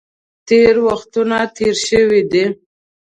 تېرې وختونه تېر شوي دي.